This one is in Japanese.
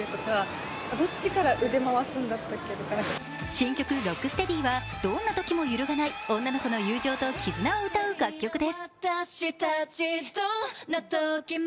新曲「ＲｏｃｋＳｔｅａｄｙ」はどんなときも揺るがない女の子の友情と絆を歌う楽曲です。